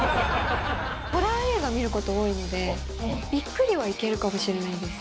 ホラー映画見ること多いので、びっくりはいけるかもしれないです。